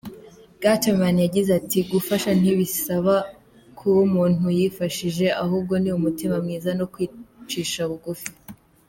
Gutterman yagize ati “Gufasha ntibisaba kuba umuntu yifashije ahubwo niumutima mwiza no kwicisha bugufi.